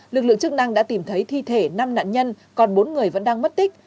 lực lượng chức năng đã tìm thấy thi thể năm nạn nhân còn bốn người vẫn đang mất tích